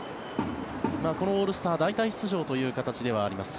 このオールスター代替出場という形ではあります